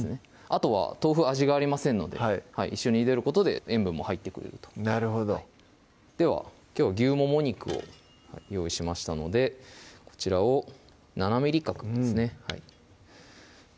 あとは豆腐味がありませんので一緒にゆでることで塩分も入ってくれるとではきょうは牛もも肉を用意しましたのでこちらを７ｍｍ角ですね